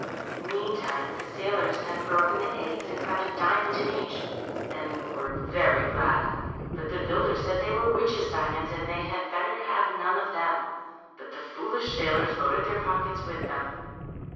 , Meantime the sailors had broken the eggs and found a diamond in each, and were very glad. But the builder said they were witches' diamonds, and they had better have none of them. But the foolish sailors loaded their pockets with them.